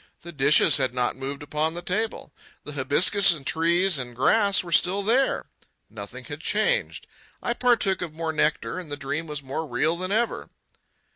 The dishes had not moved upon the table. The hibiscus and trees and grass were still there. Nothing had changed. I partook of more nectar, and the dream was more real than ever.